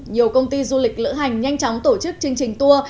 nhiều công ty du lịch lữ hành nhanh chóng tổ chức chương trình tour